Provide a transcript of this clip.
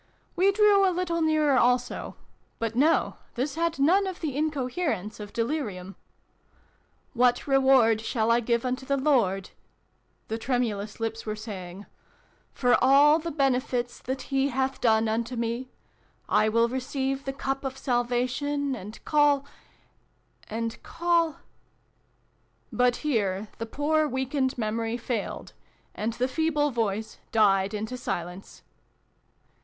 We drew a little nearer also : but no, this had none of the incoherence of delirium. " What reward shall I give unto the Lord" the tremulous lips were saying, "for all the benefits that He hath done unto me ? I will receive the cup of salva tion, and call and call ' but here the poor weakened memory failed, and the feeble voice died into silence.